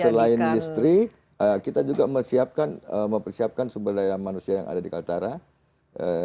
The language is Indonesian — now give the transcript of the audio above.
selain industri kita juga mempersiapkan sumber daya manusia yang ada di kalimantan utara